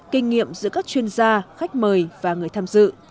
kinh nghiệm giữa các chuyên gia khách mời và người tham dự